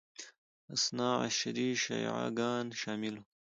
اثناعشري شیعه ګان شامل وو